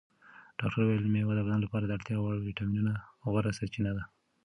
ډاکتر وویل مېوه د بدن لپاره د اړتیا وړ ویټامینونو غوره سرچینه ده.